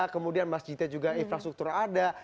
kemudian masjidnya juga infrastruktur ada